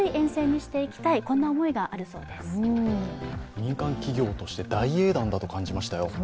民間企業として大英断だと感じましたよ。